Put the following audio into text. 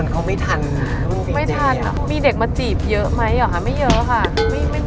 เออจริงมีเด็กมาจีบเยอะไหมคุณคนมันไม่ทัน